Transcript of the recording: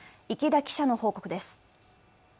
池田記者の報告です。